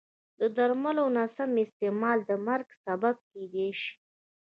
د درملو نه سم استعمال د مرګ سبب کېدای شي.